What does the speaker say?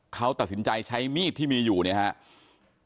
เขาตัดสินใจใช้มีดที่มีอยู่เนี่ยครับ